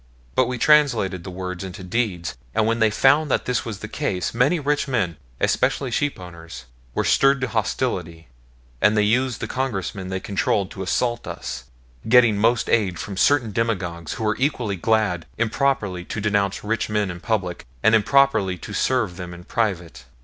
But we translated the words into deeds; and when they found that this was the case, many rich men, especially sheep owners, were stirred to hostility, and they used the Congressmen they controlled to assault us getting most aid from certain demagogues, who were equally glad improperly to denounce rich men in public and improperly to serve them in private.